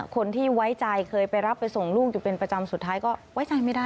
คนที่ไว้ใจเคยไปรับไปส่งลูกอยู่เป็นประจำสุดท้ายก็ไว้ใจไม่ได้